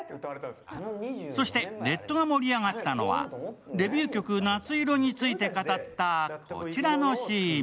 そしてネットが盛り上がったのはデビュー曲「夏色」について語ったこちらのシーン。